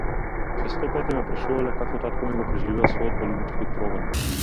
Честопати ме прашувале како татко ми го преживеа својот политички прогон?